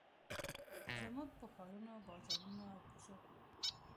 زموږ پر ښارونو، بازارونو، او کوڅو